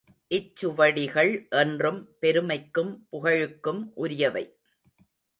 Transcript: இச்சுவடிகள் என்றும் பெருமைக்கும் புகழுக்கும் உரியவை.